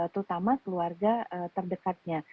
terutama keluarga terdekatnya